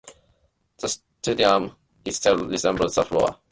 The stadium itself resembles a 'flower'.